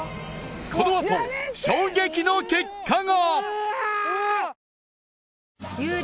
このあと衝撃の結果が！